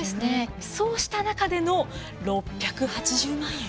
そうした中での６８０万円。